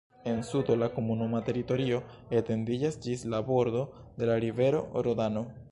En sudo la komunuma teritorio etendiĝas ĝis la bordo de la rivero Rodano.